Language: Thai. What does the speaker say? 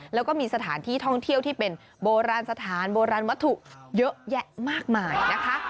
แล้วก็มีสถานที่ท่องเที่ยวที่เป็นโบราณสถานโบราณวัตถุเยอะแยะมากมายนะคะ